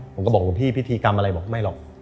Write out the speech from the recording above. ผมก็บอกหลวงพี่พิธีกรรมอะไรบอกไม่หรอก